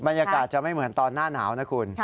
บรรยากาศจะไม่เหมือนตอนหน้าหนาวนะคุณ